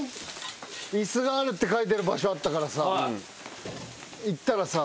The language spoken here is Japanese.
イスがあるって書いてる場所あったからさ行ったらさ。